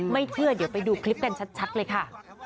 ไม่เชื่อเดี๋ยวไปดูคลิปกันชัดเลยค่ะ